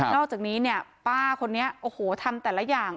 อกจากนี้เนี่ยป้าคนนี้โอ้โหทำแต่ละอย่าง